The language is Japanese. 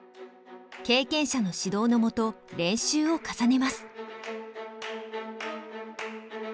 経験者の指導のもと練習を重ねます。